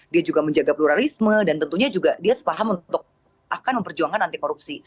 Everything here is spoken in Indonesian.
dia juga menjaga pluralisme dan tentunya juga dia sepaham untuk akan memperjuangkan anti korupsi